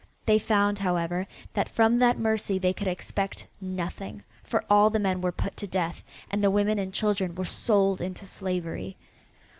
They found, however, that from that mercy they could expect nothing, for all the men were put to death, and the women and children were sold into slavery.